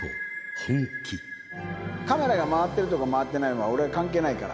カメラが回ってるとか回ってないは俺は関係ないから。